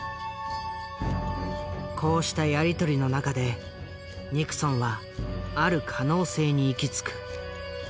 こうしたやり取りの中でニクソンはある可能性に行き着く。